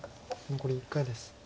残り１回です。